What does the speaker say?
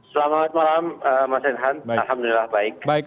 selamat malam mas enhan alhamdulillah baik